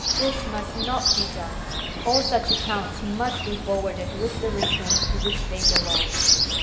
This must not be done. All such accounts must be forwarded with the returns to which they belong."